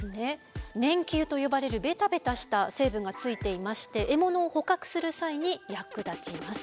粘球と呼ばれるベタベタした成分がついていまして獲物を捕獲する際に役立ちます。